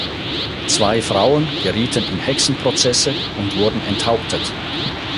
Zwei Frauen gerieten in Hexenprozesse und wurden enthauptet.